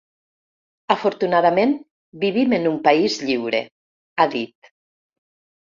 Afortunadament, vivim en un país lliure, ha dit.